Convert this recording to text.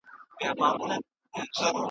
او په نهه کلنی کي یې په یوه عام محضر کي .